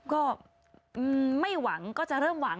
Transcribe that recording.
ก็ไม่หวังก็จะเริ่มหวัง